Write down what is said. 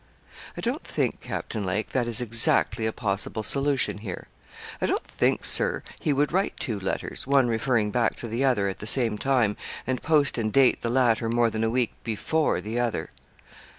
'I don't think, Captain Lake, that is exactly a possible solution here. I don't think, Sir, he would write two letters, one referring back to the other, at the same time, and post and date the latter more than a week before the other.'